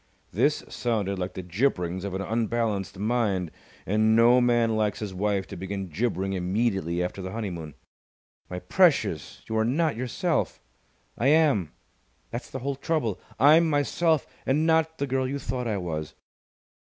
This sounded like the gibberings of an unbalanced mind, and no man likes his wife to begin gibbering immediately after the honeymoon. "My precious! You are not yourself!" "I am! That's the whole trouble! I'm myself and not the girl you thought I was!"